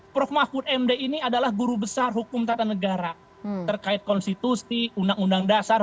prof mahfud md ini adalah guru besar hukum tata negara terkait konstitusi undang undang dasar